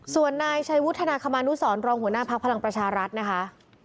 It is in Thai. ส่วนนายชัยวุฒนาคมานุสรรองหัวหน้าพักพลังประชารัฐนะคะ